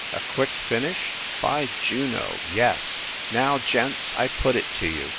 A quick finish? By Juno! Yes! Now, gents, I put it to you !